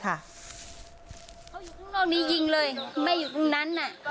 เขาอยู่กรุงนอกนี้ยิงเลยแม่อยู่กรุงนั้นน่ะ